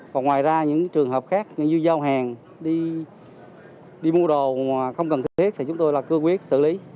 còn ngoài ra những trường hợp khác như giao hàng đi mua đồ mà không cần thiết thì chúng tôi là cương quyết xử lý